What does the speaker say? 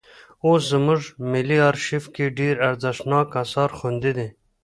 اوس زموږ په ملي ارشیف کې ډېر ارزښتناک اثار خوندي دي.